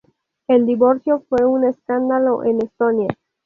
El divorcio fue un escándalo en Estonia.